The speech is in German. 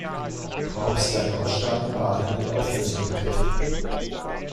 Korps der Nordstaaten waren in Auflösung begriffen.